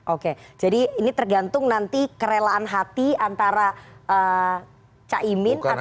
oke jadi ini tergantung nanti kerelaan hati antara caimin atau pak prabowo